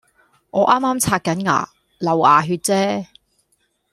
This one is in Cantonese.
我啱啱刷緊牙，流牙血啫